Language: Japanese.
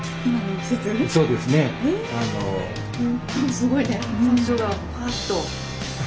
すごいね山椒がパッと。